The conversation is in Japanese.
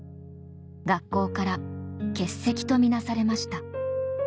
学校から欠席と見なされました